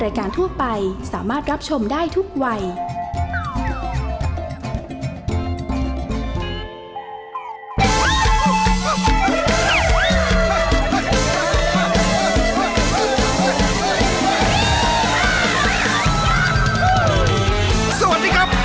ชิ้นตะวันออกชิ้นตะวันตก